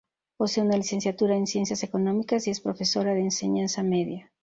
Posee una licenciatura en Ciencias Económicas, y es profesora de enseñanza media.